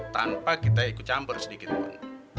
tanpa kita ikut campur sedikitpun